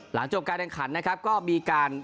หลังจบการแข่งขันนะครับก็มีการ